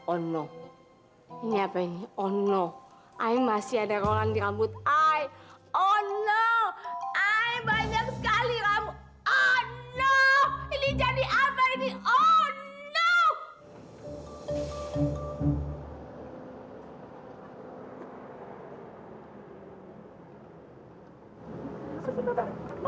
oh no ini apa ini oh no i masih ada rolan di rambut i oh no i banyak sekali rambut oh no ini jadi apa ini oh no